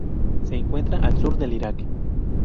Se encuentra al sur del Irak.